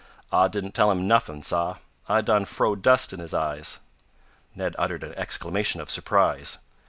"I didn't tell him nuffin', sah. I done frowed dust in his eyes." Ned uttered an exclamation of surprise.